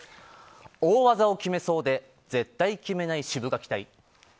大技を決めそうで絶対に決めないシブがき隊。